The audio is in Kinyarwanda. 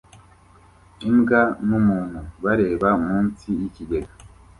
Imbwa numuntu bareba munsi yikigega